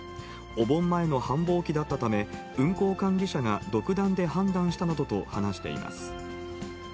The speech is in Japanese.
お盆前の繁忙期だったため、運行管理者が独断で判断したなどと話しています。